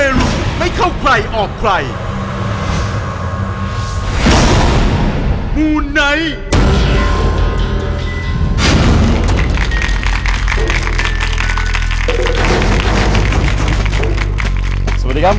สวัสดีครับผู้ชมครับ